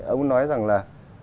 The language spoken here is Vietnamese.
ông ấy nói rằng là